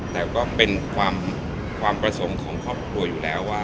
แต่ก็เป็นความประสงค์ของครอบครัวอยู่แล้วว่า